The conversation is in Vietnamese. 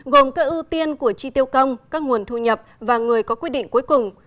gồm các ưu tiên của chi tiêu công các nguồn thu nhập và người có quyết định cuối cùng